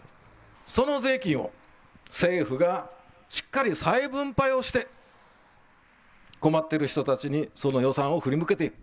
その税金を政府がしっかり再分配をして困っている人たちにその予算を振り向けていく。